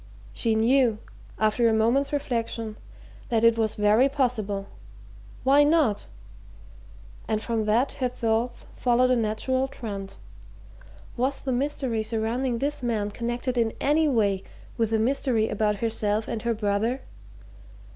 She knew, after a moment's reflection, that it was very possible why not? And from that her thoughts followed a natural trend was the mystery surrounding this man connected in any way with the mystery about herself and her brother?